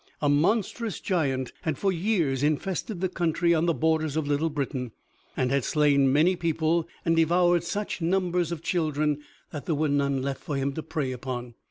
A monstrous giant had for years infested the country on the borders of Little Britain, and had slain many people and devoured such numbers of children that there were none left for him to prey upon.